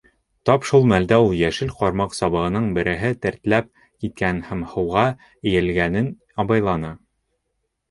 Тап шул мәлдә ул йәшел ҡармаҡ сыбығының береһе тертләп киткәнен һәм һыуға эйелгәнен абайланы.